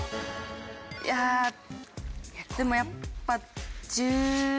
いやでもやっぱ１１？